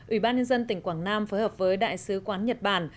ủy ban nhân dân tỉnh quảng nam phối hợp với đại sứ quán nhật bản